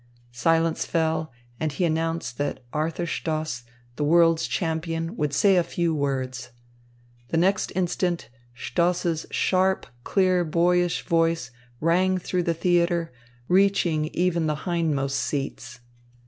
Silence fell, and he announced that Arthur Stoss, the world's champion, would say a few words. The next instant Stoss's sharp, clear boyish voice rang through the theatre reaching even the hindmost seats.